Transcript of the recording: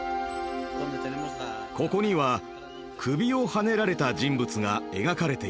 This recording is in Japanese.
ここには首をはねられた人物が描かれています。